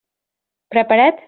Preparat?